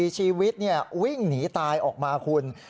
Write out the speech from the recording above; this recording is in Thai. ชีวิตวิ่งหนีตายออกมาคุณ